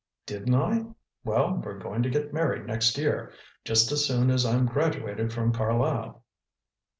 "Didn't I? Well, we're going to get married next year, just as soon as I'm graduated from Carlisle."